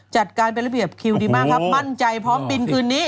จัดการเป็นระเบียบคิวดีมากครับมั่นใจพร้อมบินคืนนี้